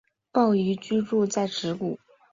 抱嶷居住在直谷。